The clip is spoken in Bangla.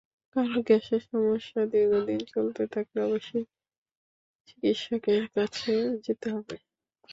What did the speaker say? কারও গ্যাসের সমস্যা দীর্ঘদিন চলতে থাকলে অবশ্যই চিকিৎসকের কাছে যেতে হবে।